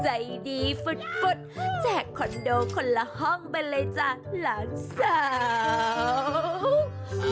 ใจดีฟุดแจกคอนโดคนละห้องไปเลยจ้ะหลานสาว